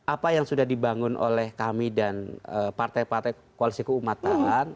apa yang sudah dibangun oleh kami dan partai partai koalisi keumatan